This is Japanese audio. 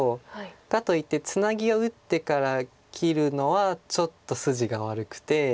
かといってツナギを打ってから切るのはちょっと筋が悪くて。